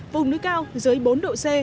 vùng núi cao dưới bốn độ c